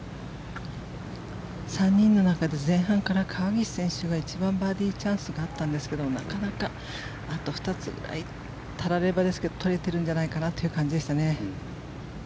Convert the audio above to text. ３人の中で前半から川岸選手が一番バーディーチャンスがあったんですがなかなかあと２つぐらいたらればですが取れてるんじゃないかという感じでしたね。